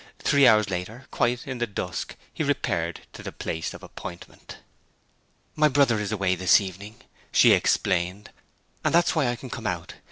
Three hours later, quite in the dusk, he repaired to the place of appointment. 'My brother is away this evening,' she explained, 'and that's why I can come out.